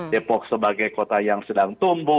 depok sebagai kota yang sedang tumbuh